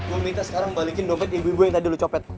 mau minta sekarang balikin dompet ibu ibu yang tadi lu copet